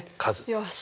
よし。